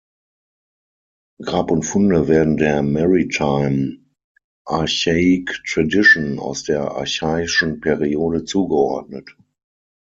Grab und Funde werden der "Maritime Archaic Tradition" aus der Archaischen Periode zugeordnet.